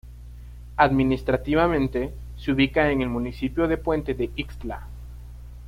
Administrativamente, se ubica en el municipio de Puente de Ixtla.